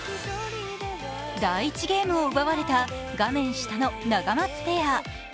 第１ゲームを奪われた画面下のナガマツペア。